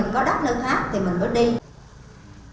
thì mình có đất nước khác thì mình mới đi